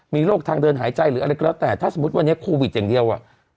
มีโรคทางเดินหายใจหรืออะไรก็แล้วแต่ถ้าสมมุติวันนี้โควิดอย่างเดียวอ่ะ